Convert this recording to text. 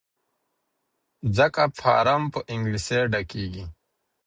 ځکه فارم په انګلیسي ډکیږي.